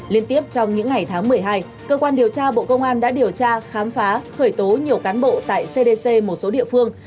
liên tiếp trong những ngày tháng một mươi hai cơ quan điều tra bộ công an đã điều tra khám phá khởi tố nhiều cán bộ tại cdc một số địa phương